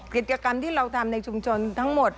กิจกรรมที่เราทำในชุมชนทั้งหมด